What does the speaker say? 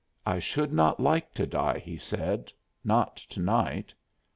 "I should not like to die," he said "not to night."